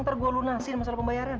ntar gue lunasin masalah pembayaran